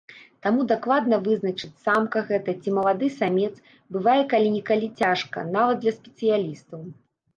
Таму дакладна вызначыць, самка гэта ці малады самец, бывае калі-нікалі цяжка нават для спецыялістаў.